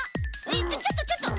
えちょっとちょっと！